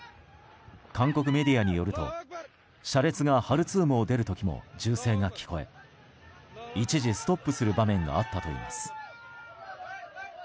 韓国メディアによると車列がハルツームを出る時も銃声が聞こえ一時ストップする場面があったといいます。